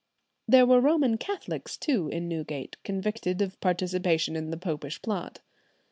There were Roman Catholics too in Newgate, convicted of participation in the Popish Plot.